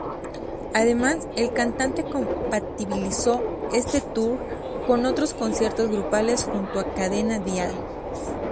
Además, el cantante compatibilizó este tour con otros conciertos grupales junto a Cadena Dial.